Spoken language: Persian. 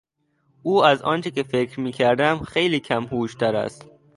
او از آنچه که فکر میکردم خیلی کم هوشتر است.